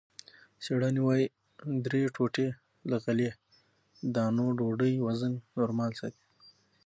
څېړنې وايي، درې ټوټې له غلې- دانو ډوډۍ وزن نورمال ساتي.